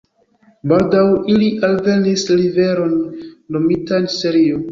Baldaŭ ili alvenis riveron, nomitan Serio.